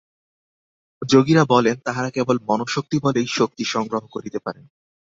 যোগীরা বলেন, তাঁহারা কেবল মনঃশক্তিবলেই শক্তি সংগ্রহ করিতে পারেন।